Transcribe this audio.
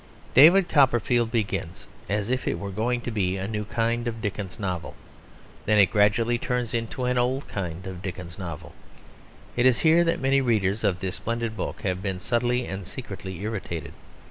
David Copperfield begins as if it were going to be a new kind of Dickens novel; then it gradually turns into an old kind of Dickens novel. It is here that many readers of this splendid book have been subtly and secretly irritated.